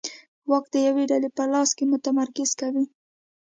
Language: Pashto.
واک د یوې ډلې په لاس کې متمرکز کوي.